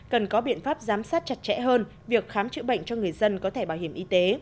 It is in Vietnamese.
cần có biện pháp giám sát chặt chẽ hơn việc khám chữa bệnh cho người dân có thể bảo hiểm y tế